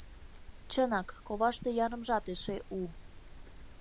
Чынак, коваште ярымжат эше у.